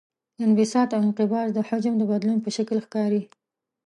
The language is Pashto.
انبساط او انقباض د حجم د بدلون په شکل ښکاري.